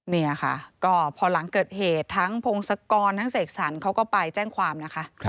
นี่ค่ะก็พอหลังเกิดเหตุทั้งพงศกรทั้งเสกสรรเขาก็ไปแจ้งความนะคะ